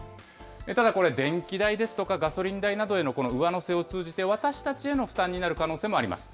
ただこれ、電気代ですとか、ガソリン代などへの上乗せを通じて私たちへの負担になる可能性もあります。